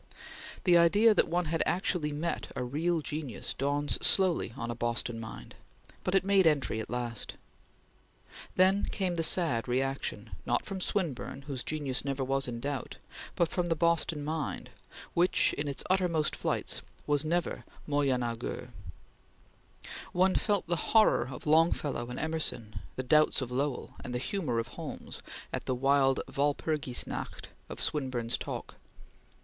The idea that one has actually met a real genius dawns slowly on a Boston mind, but it made entry at last. Then came the sad reaction, not from Swinburne whose genius never was in doubt, but from the Boston mind which, in its uttermost flights, was never moyenageux. One felt the horror of Longfellow and Emerson, the doubts of Lowell and the humor of Holmes, at the wild Walpurgis night of Swinburne's talk.